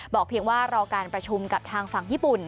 เพียงว่ารอการประชุมกับทางฝั่งญี่ปุ่น